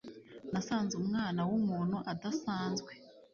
Nasanze umwana wumuntu adasanzwe